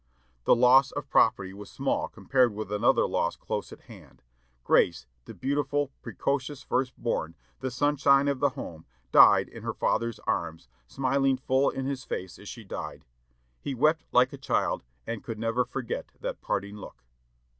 The loss of property was small compared with another loss close at hand. Grace, the beautiful, precocious first born, the sunshine of the home, died in her father's arms, smiling full in his face as she died. He wept like a child, and could never forget that parting look.